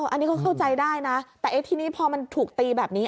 อันนี้ก็เข้าใจได้นะแต่ทีนี้พอมันถูกตีแบบนี้